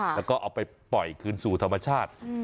แล้วก็เอาไปปล่อยคืนสู่ธรรมชาติ